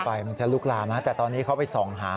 ถ้ามันจะลุกลานะครับแต่ตอนนี้เขาไปส่องหา